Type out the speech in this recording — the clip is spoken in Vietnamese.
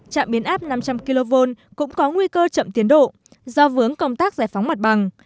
trạm biến áp năm trăm linh kv cũng có nguy cơ chậm tiến độ do vướng công tác giải phóng mặt bằng